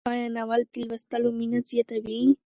آیا ناول د لوستلو مینه زیاتوي؟